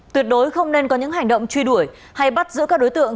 tuyệt đối không nên có những hành động truy đuổi hay bắt giữ các đối tượng